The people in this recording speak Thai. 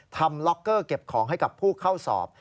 ล็อกเกอร์เก็บของให้กับผู้เข้าสอบ